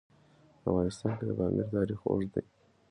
په افغانستان کې د پامیر تاریخ اوږد دی.